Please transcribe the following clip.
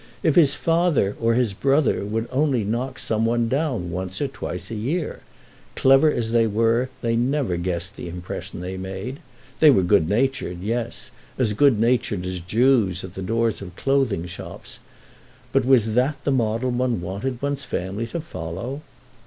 If his father or his brother would only knock some one down once or twice a year! Clever as they were they never guessed the impression they made. They were good natured, yes—as good natured as Jews at the doors of clothing shops! But was that the model one wanted one's family to follow?